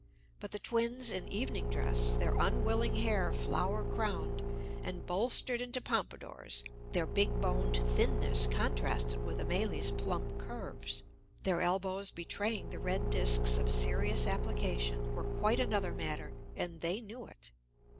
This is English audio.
But the twins in evening dress, their unwilling hair flower crowned and bolstered into pompadours, their big boned thinness contrasted with Amélie's plump curves, their elbows betraying the red disks of serious application, were quite another matter, and they knew it.